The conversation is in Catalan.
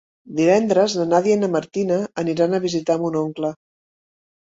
Divendres na Nàdia i na Martina aniran a visitar mon oncle.